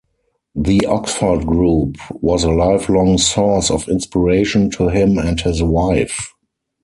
The Oxford Group was a lifelong source of inspiration to him and his wife.